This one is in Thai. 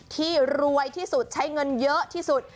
ที่รวยที่สุดใช้เงินเยอะที่สุด